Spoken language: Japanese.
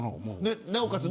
なおかつ